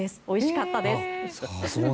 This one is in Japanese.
おいしかったです。